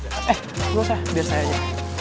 eh gue usah biar saya aja